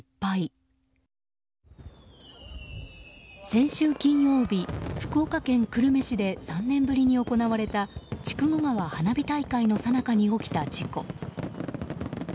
先週金曜日、福岡県久留米市で３年ぶりに行われた筑後川花火大会のさなかに起きた事故。